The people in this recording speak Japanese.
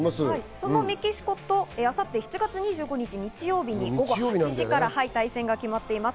そのメキシコと明後日７月２５日日曜日、午後８時から対戦が決まっています。